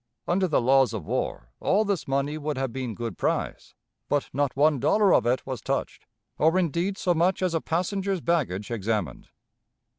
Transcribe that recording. Under the laws of war all this money would have been good prize, but not one dollar of it was touched, or indeed so much as a passenger's baggage examined.